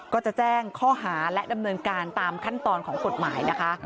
ก็จะแจ้งข้อหาและดำเนินการตามขั้นตอนของกฎหมายนะคะ